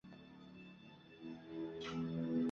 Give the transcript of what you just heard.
名单中已拆除的建筑名称以灰色表示。